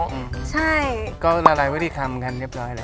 ใช่ก็ละลายไว้ที่คำกันเรียบร้อยเลย